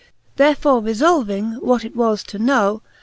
Therefore refolving, what it was, to know.